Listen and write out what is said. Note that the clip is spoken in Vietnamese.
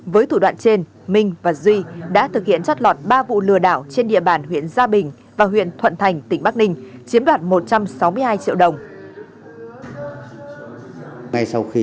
với thủ đoạn trên minh và duy đã thực hiện trót lọt ba vụ lừa đảo trên địa bàn huyện gia bình và huyện thuận thành tỉnh bắc ninh chiếm đoạt một trăm sáu mươi hai triệu đồng